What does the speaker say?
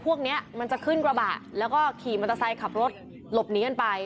พวกนี้มันจะขึ้นกระบะแล้วก็ขี่มอเตอร์ไซค์ขับรถหลบหนีกันไป